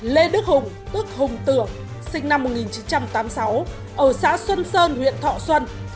lê đức hùng tức hùng tưởng sinh năm một nghìn chín trăm tám mươi sáu ở xã xuân sơn huyện thọ xuân